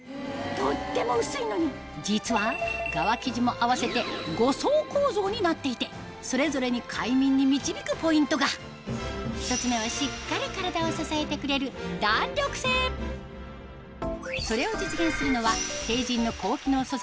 とっても薄いのに実は側生地も合わせて５層構造になっていてそれぞれに快眠に導くポイントが１つ目はそれを実現するのはＴＥＩＪＩＮの高機能素材